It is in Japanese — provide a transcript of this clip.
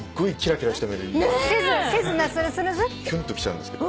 キュンときちゃうんですけど。